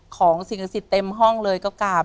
ของสินค้าสิทธิ์เต็มห้องเลยก็กลับ